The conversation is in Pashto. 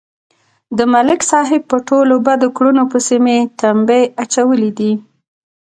د ملک صاحب په ټولو بدو کړنو پسې مې تمبې اچولې دي